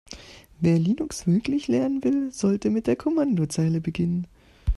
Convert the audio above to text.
Wer Linux wirklich lernen will, sollte mit der Kommandozeile beginnen.